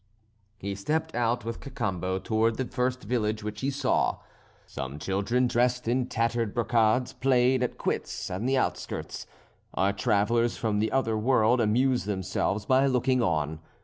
He stepped out with Cacambo towards the first village which he saw. Some children dressed in tattered brocades played at quoits on the outskirts. Our travellers from the other world amused themselves by looking on.